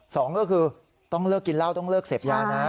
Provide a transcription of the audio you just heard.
สองก็คือต้องเลิกกินเหล้าต้องเลิกเสพยานะ